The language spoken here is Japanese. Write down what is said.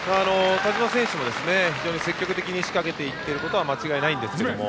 田嶋選手も非常に積極的に仕掛けに行ってることは間違いないんですけども。